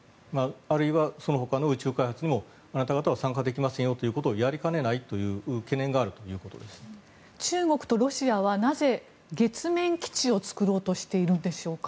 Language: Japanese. あるいはそのほかの開発にもあなた方は参加できませんよということをやりかねないという中国とロシアはなぜ、月面基地を作ろうとしているんでしょうか。